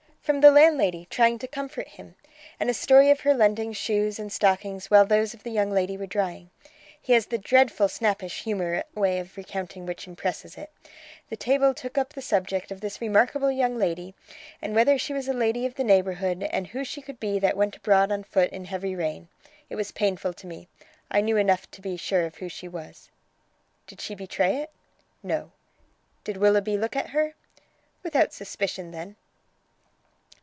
"From the landlady, trying to comfort him. And a story of her lending shoes and stockings while those of the young lady were drying. He has the dreadful snappish humourous way of recounting which impresses it; the table took up the subject of this remarkable young lady, and whether she was a lady of the neighbourhood, and who she could be that went abroad on foot in heavy rain. It was painful to me; I knew enough to be sure of who she was." "Did she betray it?" "No." "Did Willoughby look at her?" "Without suspicion then."